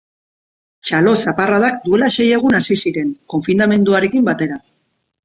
Txalo zaparradak duela sei egun hasi ziren, konfinamenduarekin batera.